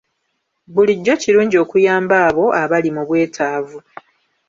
Bulijjo kirungi okuyamba abo abali mu bwetaavu.